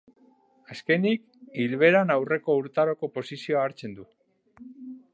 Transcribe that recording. Azkenik, ilbeheran aurreko urtaroko posizioa hartzen du.